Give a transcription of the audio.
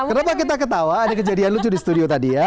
kenapa kita ketawa ada kejadian lucu di studio tadi ya